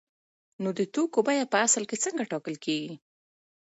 نو د توکو بیه په اصل کې څنګه ټاکل کیږي؟